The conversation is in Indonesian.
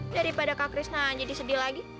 daripada kak krisna jadi sedih lagi